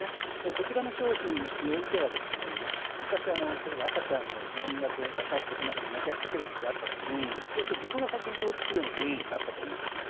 こちらの商品においては昔は赤ちゃんを抱っこしながら寝かしつける時があったと思いますけど自分が先に寝落ちするケースがあったと思うんですね。